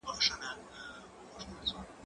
چپنه د مور له خوا پاکه کيږي،